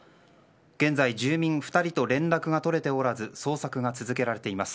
現在、住民２人と連絡が取れておらず捜索が続けられています。